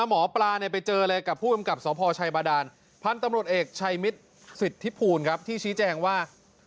หมอปลาไปเจอเลยกับผู้กำกับสพชัยบาดานพันธุ์ตำรวจเอกชัยมิตรสิทธิภูลครับที่ชี้แจงว่า